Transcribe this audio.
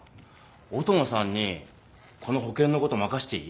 音野さんにこの保険のこと任せていい？